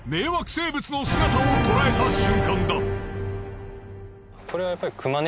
生物の姿を捉えた瞬間だ。